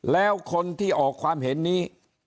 แล้วคนที่ออกความเห็นนี้